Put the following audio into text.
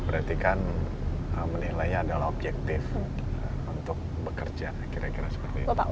berarti kan menilainya adalah objektif untuk bekerja kira kira seperti itu